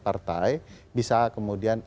partai bisa kemudian